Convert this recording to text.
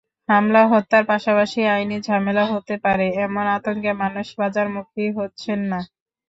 হামলা, হত্যার পাশাপাশি আইনি ঝামেলা হতে পারে—এমন আতঙ্কে মানুষ বাজারমুখী হচ্ছেন না।